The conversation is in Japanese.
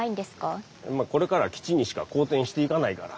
これから吉にしか好転していかないから。